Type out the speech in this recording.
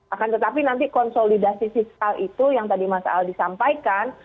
akan tetapi nanti konsolidasi fiskal itu yang tadi mas aldi sampaikan